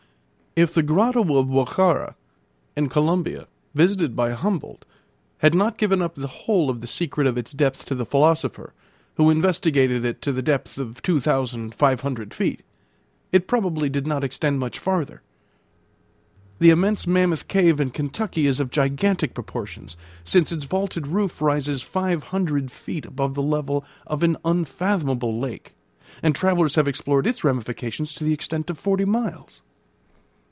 If the grotto of Guachara, in Colombia, visited by Humboldt, had not given up the whole of the secret of its depth to the philosopher, who investigated it to the depth of 2,500 feet, it probably did not extend much farther. The immense mammoth cave in Kentucky is of gigantic proportions, since its vaulted roof rises five hundred feet above the level of an unfathomable lake and travellers have explored its ramifications to the extent of forty miles.